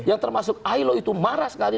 yang termasuk ailo itu marah sekali